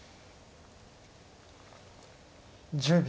１０秒。